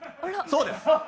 そうです。